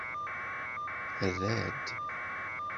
Nerra-d.